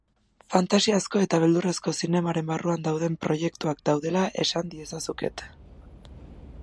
Fantasiazko eta beldurrezko zinemaren barruan dauden proiektuak daudela esan diezazuket.